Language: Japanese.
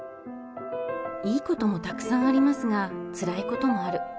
いいこともたくさんありますが、つらいこともある。